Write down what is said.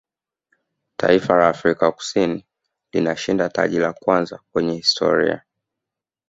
taifa la afrika Kusini lilishinda taji la kwanza kwenye historia